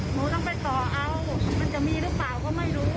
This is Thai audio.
หนูต้องไปต่อเอามันจะมีหรือเปล่าก็ไม่รู้